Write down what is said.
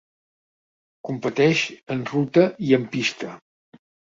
Competeix en ruta i en pista.